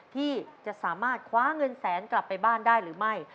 ที่จะสามารถคว้าเงินแสนกลับไปบ้านได้หรือไม่